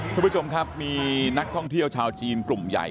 คุณผู้ชมครับมีนักท่องเที่ยวชาวจีนกลุ่มใหญ่